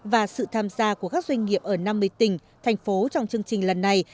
và sự tham gia của các doanh nghiệp ở năm mươi tỉnh thành phố trong chương trình lần này